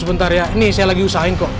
sebentar ya ini saya lagi usahain kok